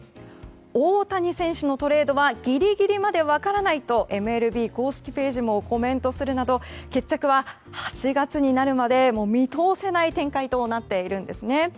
大谷選手のトレードはギリギリまで分からないとＭＬＢ公式ページもコメントするなど決着は８月になるまで見通せない展開となっているんです。